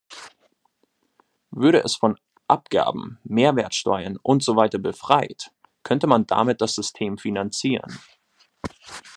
Würde es von Abgaben, Mehrwertsteuern und so weiter befreit, könnte man damit das System finanzieren.